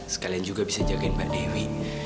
sekalian juga bisa jagain mbak dewi